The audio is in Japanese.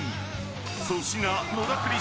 ［粗品野田クリ